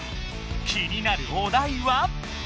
気になるお題は？